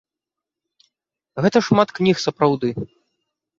Гэта шмат кніг, сапраўды.